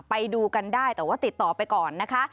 ไปดูกันได้แต่ว่าติดต่อไปก่อนนะคะ